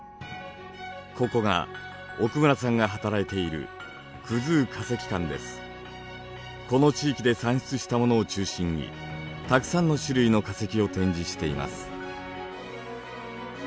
ここが奥村さんが働いているこの地域で産出したものを中心にたくさんの種類の化石を展示しています。